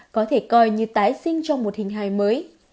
có thể coi như tái sinh trong một hình hài mới